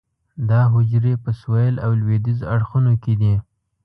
دا حجرې په سویل او لویدیځ اړخونو کې دي.